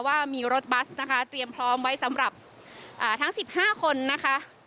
ว่ามีรถบัสนะคะเตรียมพร้อมไว้สำหรับทั้ง๑๕คนนะคะ